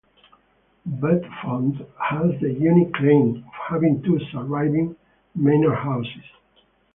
Bedfont has the unique claim of having two surviving manor houses.